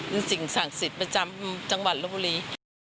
เป็นสิ่งศักดิ์สิทธิ์ประจำจังหวัดลบบุรี